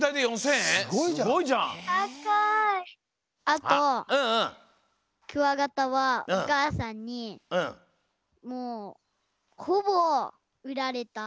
あとクワガタはおかあさんにもうほぼうられた。